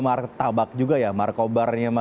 katanya ada tabak juga ya marco bar nya mas gibran